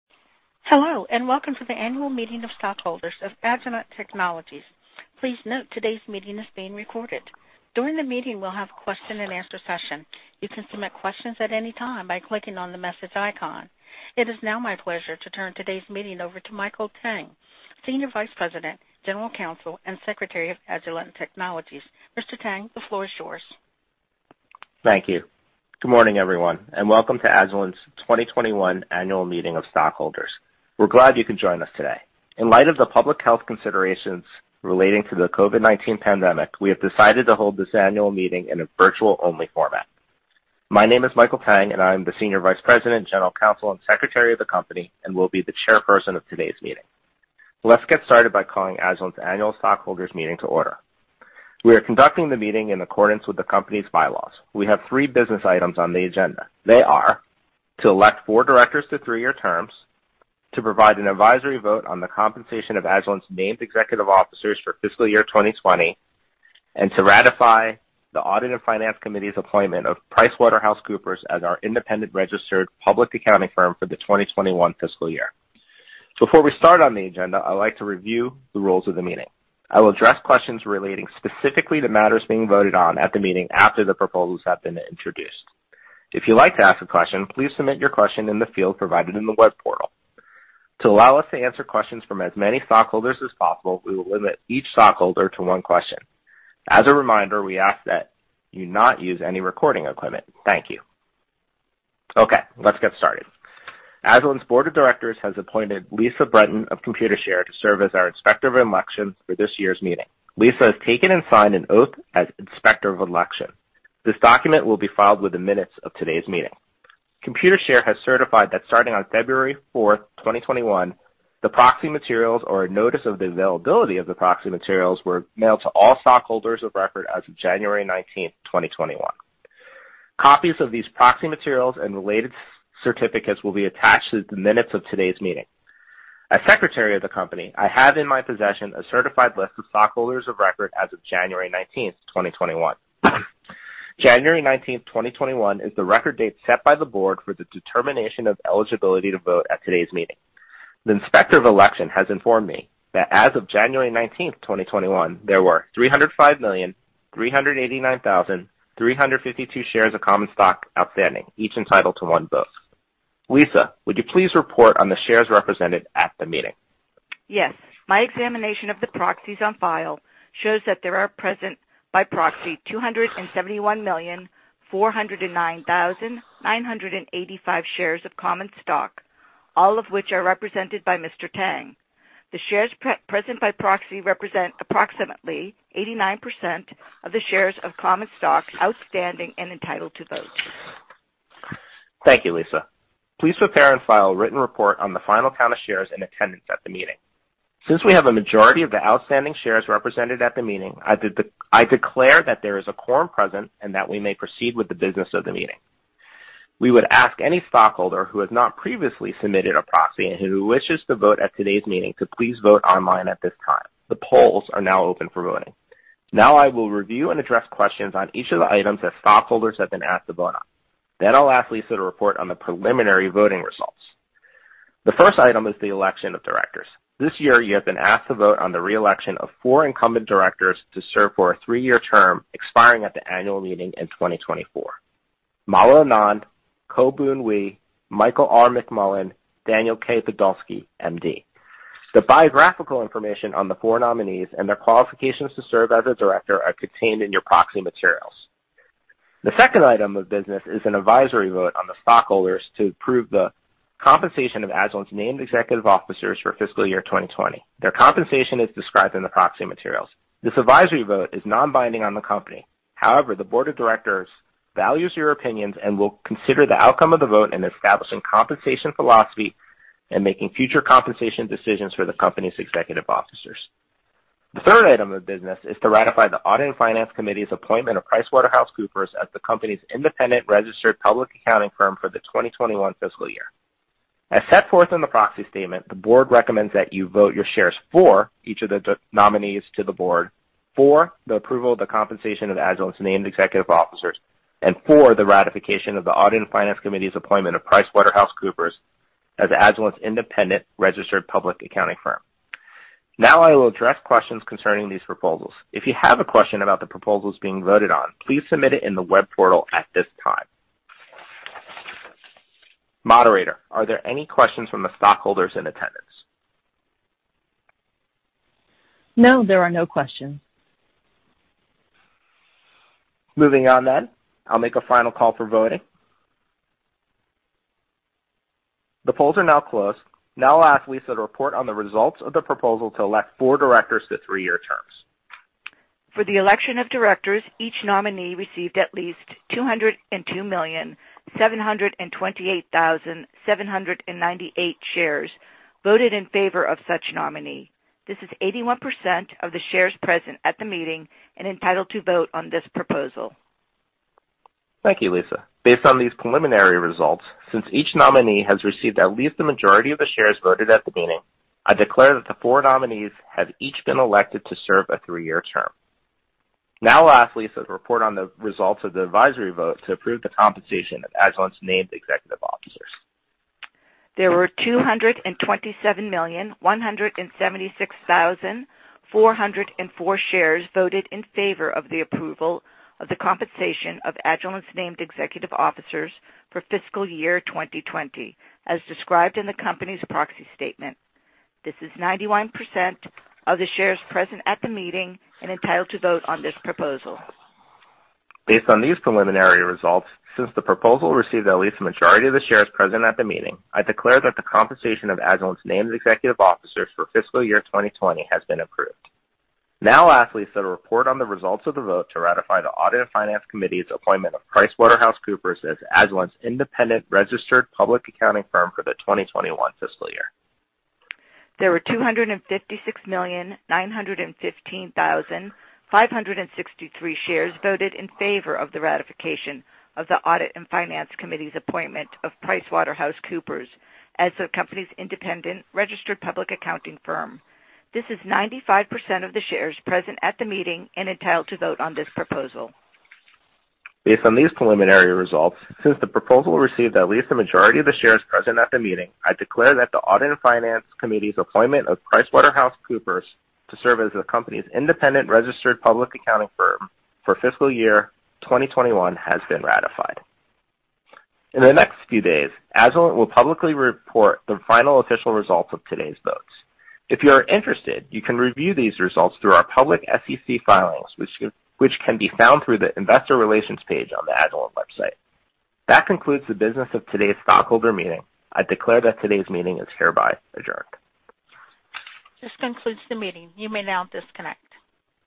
Hello, and welcome to the Annual Meeting of Stockholders of Agilent Technologies. Please note today's meeting is being recorded. During the meeting, we'll have a question and answer session. You can submit questions at any time by clicking on the message icon. It is now my pleasure to turn today's meeting over to Michael Tang, Senior Vice President, General Counsel, and Secretary of Agilent Technologies. Mr. Tang, the floor is yours. Thank you. Good morning, everyone, and welcome to Agilent Technologies' 2021 Annual Meeting of Stockholders. We're glad you could join us today. In light of the public health considerations relating to the COVID-19 pandemic, we have decided to hold this annual meeting in a virtual-only format. My name is Michael Tang, and I am the Senior Vice President, General Counsel, and Secretary of the company, and will be the chairperson of today's meeting. Let's get started by calling Agilent Annual Stockholders Meeting to order. We are conducting the meeting in accordance with the company's bylaws. We have three business items on the agenda. They are: to elect four directors to three-year terms, to provide an advisory vote on the compensation of Agilent named Executive Officers for fiscal year 2020, and to ratify the audit and finance committee's appointment of PricewaterhouseCoopers as our independent registered public accounting firm for the 2021 fiscal year. Before we start on the agenda, I'd like to review the rules of the meeting. I will address questions relating specifically to matters being voted on at the meeting after the proposals have been introduced. If you'd like to ask a question, please submit your question in the field provided in the web portal. To allow us to answer questions from as many stockholders as possible, we will limit each stakeholder to one question. As a reminder, we ask that you not use any recording equipment. Thank you. Okay, let's get started. Agilent's Board of Directors has appointed Lisa Brenten of Computershare to serve as our Inspector of Elections for this year's meeting. Lisa has taken and signed an oath as Inspector of Elections. This document will be filed within minutes of today's meeting. Computershare has certified that starting on February 4, 2021, the proxy materials, or a notice of the availability of the proxy materials, were mailed to all stockholders of record as of January 19, 2021. Copies of these proxy materials and related certificates will be attached to the minutes of today's meeting. As Secretary of the company, I have in my possession a certified list of stockholders of record as of January 19, 2021. January 19, 2021, is the record date set by the board for the determination of eligibility to vote at today's meeting. The inspector of elections has informed me that as of January 19, 2021, there were 305,389,352 shares of common stock outstanding, each entitled to one vote. Lisa, would you please report on the shares represented at the meeting? Yes. My examination of the proxies on file shows that there are present by proxy 271,409,985 shares of common stock, all of which are represented by Mr. Tang. The shares present by proxy represent approximately 89% of the shares of common stock outstanding and entitled to vote. Thank you, Lisa. Please prepare and file a written report on the final count of shares in attendance at the meeting. Since we have a majority of the outstanding shares represented at the meeting, I declare that there is a quorum present and that we may proceed with the business of the meeting. We would ask any stakeholder who has not previously submitted a proxy and who wishes to vote at today's meeting to please vote online at this time. The polls are now open for voting. I will review and address questions on each of the items that stockholders have been asked to vote on. I'll ask Lisa to report on the preliminary voting results. The first item is the election of directors. This year, you have been asked to vote on the reelection of four incumbent directors to serve for a three-year term expiring at the annual meeting in 2024: Mala Anand, Koh Boon Hwee, Michael R. McMullen, Daniel K. Podolsky, MD. The biographical information on the four nominees and their qualifications to serve as a Director are contained in your proxy materials. The second item of business is an advisory vote on the stockholders to approve the compensation of Agilent's named Executive Officers for fiscal year 2020. Their compensation is described in the proxy materials. This advisory vote is non-binding on the company. However, the Board of Directors values your opinions and will consider the outcome of the vote in establishing compensation philosophy and making future compensation decisions for the company's Executive Officers. The third item of business is to ratify the Audit and Finance Committee's appointment of PricewaterhouseCoopers as the company's independent registered public accounting firm for the 2021 fiscal year. As set forth in the proxy statement, the Board recommends that you vote your shares for each of the nominees to the Board, for the approval of the compensation of Agilent's named Executive Officers, and for the ratification of the Audit and Finance Committee's appointment of PricewaterhouseCoopers as Agilent's independent registered public accounting firm. I will address questions concerning these proposals. If you have a question about the proposals being voted on, please submit it in the web portal at this time. Moderator, are there any questions from the stockholders in attendance? No, there are no questions. Moving on, I'll make a final call for voting. The polls are now closed. Now I'll ask Lisa to report on the results of the proposal to elect four directors to three-year terms. For the election of directors, each nominee received at least 202,728,798 shares voted in favor of such nominee. This is 81% of the shares present at the meeting and entitled to vote on this proposal. Thank you, Lisa. Based on these preliminary results, since each nominee has received at least the majority of the shares voted at the meeting, I declare that the four nominees have each been elected to serve a three-year term. Now I'll ask Lisa to report on the results of the advisory vote to approve the compensation of Agilent's named Executive Officers. There were 227,176,404 shares voted in favor of the approval of the compensation of Agilent's named Executive Officers for fiscal year 2020, as described in the company's proxy statement. This is 91% of the shares present at the meeting and entitled to vote on this proposal. Based on these preliminary results, since the proposal received at least the majority of the shares present at the meeting, I declare that the compensation of Agilent's named Executive Officers for fiscal year 2020 has been approved. Now I'll ask Lisa to report on the results of the vote to ratify the Audit and Finance Committee's appointment of PricewaterhouseCoopers as Agilent's independent registered public accounting firm for the 2021 fiscal year. There were 256,915,563 shares voted in favor of the ratification of the Audit and Finance Committee's appointment of PricewaterhouseCoopers as the company's independent registered public accounting firm. This is 95% of the shares present at the meeting and entitled to vote on this proposal. Based on these preliminary results, since the proposal received at least the majority of the shares present at the meeting, I declare that the Audit and Finance Committee's appointment of PricewaterhouseCoopers to serve as the company's independent registered public accounting firm for fiscal year 2021 has been ratified. In the next few days, Agilent will publicly report the final official results of today's votes. If you are interested, you can review these results through our public SEC filings, which can be found through the Investor Relations page on the Agilent website. That concludes the business of today's Stockholder Meeting. I declare that today's meeting is hereby adjourned. This concludes the meeting. You may now disconnect.